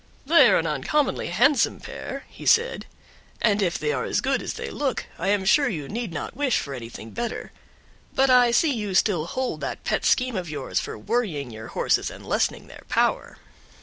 "They are an uncommonly handsome pair," he said, "and if they are as good as they look I am sure you need not wish for anything better; but I see you still hold that pet scheme of yours for worrying your horses and lessening their power."